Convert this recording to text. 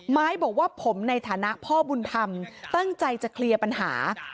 ไม้บอกว่าผมในฐานะพ่อบุญธรรมตั้งใจจะเคลียร์ปัญหา